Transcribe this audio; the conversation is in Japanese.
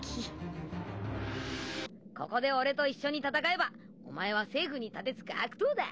ここで俺と一緒に戦えばお前は政府に盾突く悪党だ。